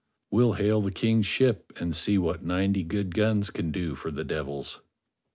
We'll hail the King's ship and see what ninety good guns can do for the devils."